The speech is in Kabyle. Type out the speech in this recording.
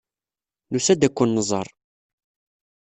Nusa-d ad ken-nẓer.